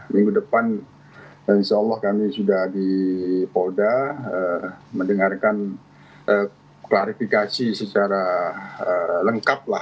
minggu depan insya allah kami sudah di polda mendengarkan klarifikasi secara lengkap lah